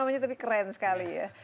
namanya tapi keren sekali ya